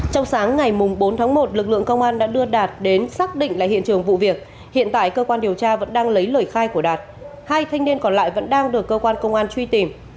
trong sáng ngày bốn tháng một lực lượng công an đã đưa đạt đến xác định là hiện trường vụ việc hiện tại cơ quan điều tra vẫn đang lấy lời khai của đạt hai thanh niên còn lại vẫn đang được cơ quan công an truy tìm